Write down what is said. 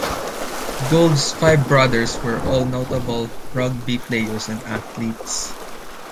Gould's five brothers were all notable rugby players and athletes.